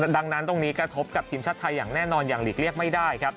ดังนั้นตรงนี้กระทบกับทีมชาติไทยอย่างแน่นอนอย่างหลีกเลี่ยงไม่ได้ครับ